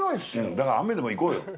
だから、雨でも行こうよ。